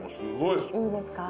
いいですか？